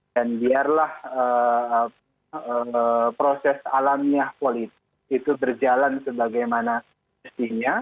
dan biarlah proses alamnya politik itu berjalan sebagaimana mestinya